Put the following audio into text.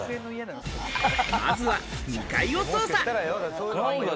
まずは２階を捜査。